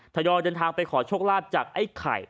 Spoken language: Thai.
ทยอยเดินทางไปขอโชคลาภจากไอ้ไข่